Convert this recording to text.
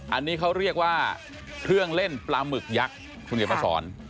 อันนี้เขาเรียกว่าเครื่องเล่นปลาหมึกยักษ์คุณเขียนมาสอน